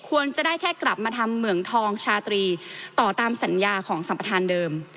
ควรจะได้แค่กลับมาทำเหมืองทองชาตรีต่อตามสัญญาของสัมประธานเดิม